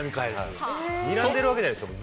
にらんでるわけじゃないですよ。